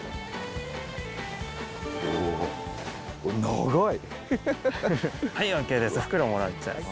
長い！